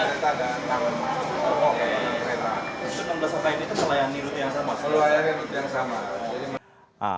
selayani rute yang sama